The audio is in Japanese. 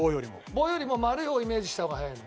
棒よりも丸い方イメージした方が早いの？